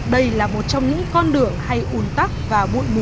đây là một trong những con đường hay ủn tắc và bụi mịn